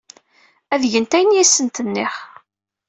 Ad gent ayen i asent-nniɣ.